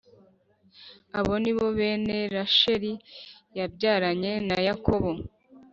Abo ni bo bene rasheli yabyaranye na yakobo